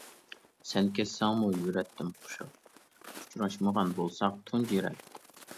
سەن كەتسەڭمۇ يۈرەتتىم خۇشال، ئۇچراشمىغان بولساق تۇنجى رەت.